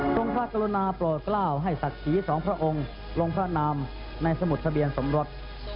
ทรงพัชโนนาปลอดเกล้าให้ศักดิ์ศรีสองพระองค์ลงพระนามในสมุทรทะเบียงสมรส